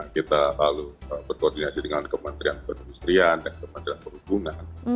kita lalu berkoordinasi dengan kementerian perindustrian dan kementerian perhubungan